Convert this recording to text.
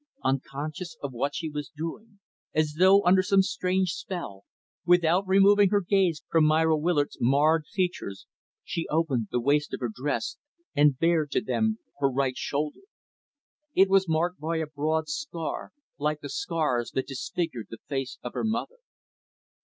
Unconscious of what she was doing, as though under some strange spell, without removing her gaze from Myra Willard's marred features she opened the waist of her dress and bared to them her right shoulder. It was marked by a broad scar like the scars that disfigured the face of her mother.